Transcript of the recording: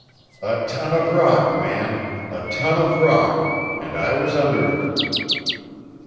"A ton of rock, man a ton of rock, and I was under it!"